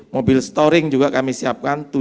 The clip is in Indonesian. mobil storing juga kami siapkan